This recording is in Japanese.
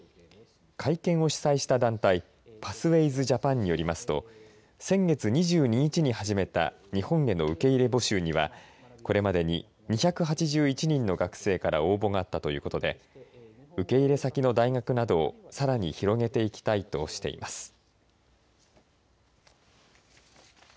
会見を主催した団体パスウェイズ・ジャパンによりますと先月２２日に始めた日本への受け入れ募集にはこれまでに２８１人の学生から応募があったということで受け入れ先の大学などをさらに広げていきたいとしています。